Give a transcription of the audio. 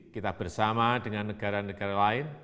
kita bersama dengan negara negara lain